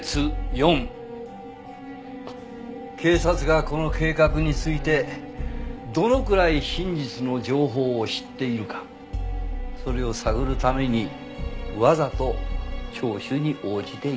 ４警察がこの計画についてどのくらい真実の情報を知っているかそれを探るためにわざと聴取に応じている。